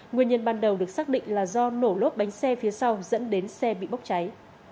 nguyên nhân ban đầu được xác định là do nổ lốp bánh xe phía sau dẫn đến xe bị bốc cháy